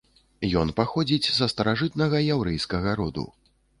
Ён паходзіць са старажытнага яўрэйскага роду.